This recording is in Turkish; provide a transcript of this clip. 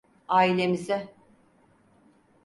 Ailemize.